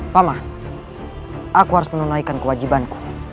pamah aku harus menunaikan kewajibanku